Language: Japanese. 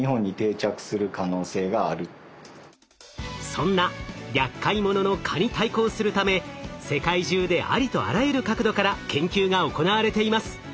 そんなやっかい者の蚊に対抗するため世界中でありとあらゆる角度から研究が行われています。